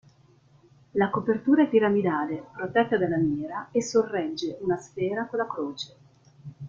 La copertura è piramidale, protetta da lamiera, e sorregge una sfera con la croce.